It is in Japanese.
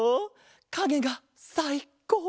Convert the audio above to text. かげがさいこうな